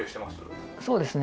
そうですね。